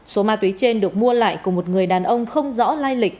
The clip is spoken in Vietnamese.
số ma túy trên được mua lại của một người đàn ông không rõ lai lịch